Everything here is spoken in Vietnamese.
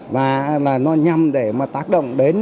và nó nhằm để tác động đến